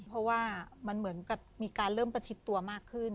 เพราะว่ามันเหมือนกับมีการเริ่มประชิดตัวมากขึ้น